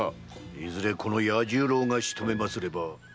いずれこの弥十郎がしとめますればおまかせを。